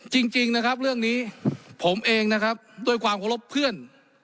จริงนะครับเรื่องนี้ผมเองนะครับด้วยความเคารพเพื่อน